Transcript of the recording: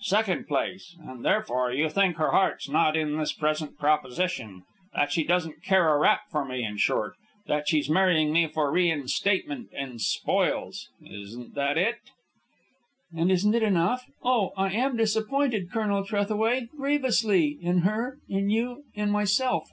Second place, and therefore, you think her heart's not in this present proposition; that she doesn't care a rap for me; in short, that she's marrying me for reinstatement and spoils. Isn't that it?" "And isn't it enough? Oh, I am disappointed, Colonel Trethaway, grievously, in her, in you, in myself."